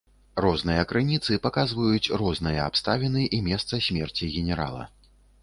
Розныя крыніцы паказваюць розныя абставіны і месца смерці генерала.